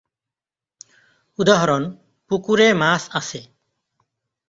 উদাহরণ:পুকুরে মাছ আছে।